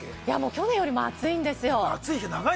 去年よりも暑いんですよ。